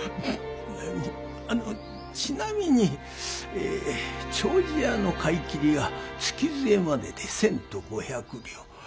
あのちなみに丁子屋の買い切りが月末までで千と五百両。